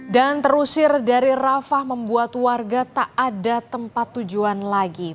dan terusir dari rafah membuat warga tak ada tempat tujuan lagi